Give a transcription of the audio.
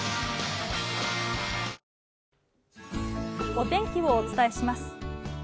お天気をお伝えします。